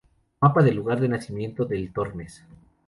Mapa del lugar de nacimiento del Tormes.